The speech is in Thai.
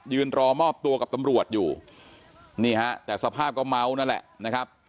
รอมอบตัวกับตำรวจอยู่นี่ฮะแต่สภาพก็เมานั่นแหละนะครับ